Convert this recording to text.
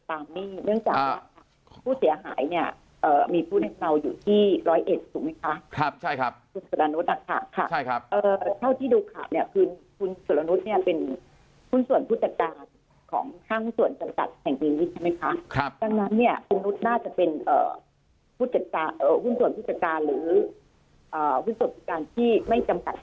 เนื่องจากว่าผู้เสียหายเนี่ยมีผู้ในเมาอยู่ที่ร้อยเอ็ดถูกไหมคะครับใช่ครับคุณสุรนุษย์ค่ะเท่าที่ดูข่าวเนี่ยคือคุณสุรนุษย์เนี่ยเป็นหุ้นส่วนผู้จัดการของห้างส่วนจำกัดแห่งนี้ใช่ไหมคะครับดังนั้นเนี่ยคุณนุษย์น่าจะเป็นผู้จัดการหุ้นส่วนผู้จัดการหรือผู้ตรวจการที่ไม่จำกัด